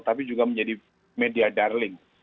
tapi juga menjadi media darling